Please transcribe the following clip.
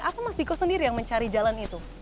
apa mas diko sendiri yang mencari jalan itu